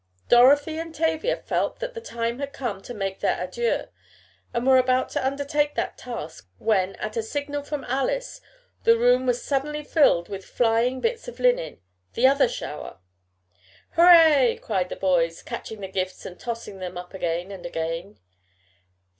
Dorothy and Tavia felt that the time had come to make their adieux, and were about to undertake that task when, at a signal from Alice, the room was suddenly filled with flying bits of linen the other shower. "Hurrah!" cried the boys, catching the gifts and tossing them up again and again.